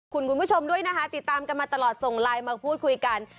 คุณผู้ชมด้วยนะคะติดตามกันมาตลอดส่งไลน์มาพูดคุยกัน